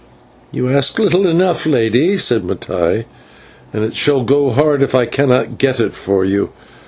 "You ask little enough, Lady," said Matti, "and it shall go hard if I cannot get it for you.